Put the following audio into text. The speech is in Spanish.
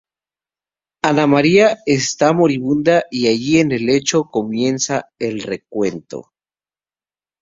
Ana María está moribunda y allí, en el lecho, comienza el recuento.